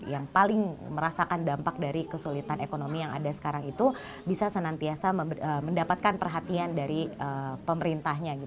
yang paling merasakan dampak dari kesulitan ekonomi yang ada sekarang itu bisa senantiasa mendapatkan perhatian dari pemerintahnya